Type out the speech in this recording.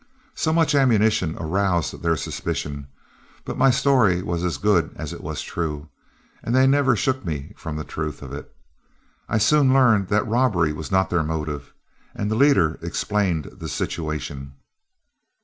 So much ammunition aroused their suspicions, but my story was as good as it was true, and they never shook me from the truth of it. I soon learned that robbery was not their motive, and the leader explained the situation.